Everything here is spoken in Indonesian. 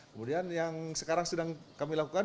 kemudian yang sekarang sedang kami lakukan